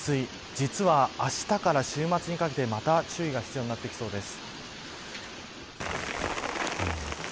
実は、あしたから週末にかけてまた注意が必要なんです。